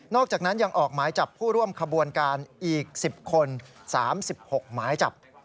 อกจากนั้นยังออกหมายจับผู้ร่วมขบวนการอีก๑๐คน๓๖หมายจับ